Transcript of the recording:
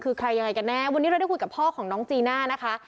คือใครยังไงกันแน่วันนี้เราได้คุยกับพ่อของน้องจีน่านะคะ